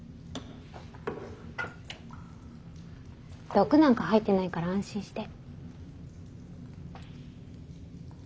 毒なんか入ってないから安心して。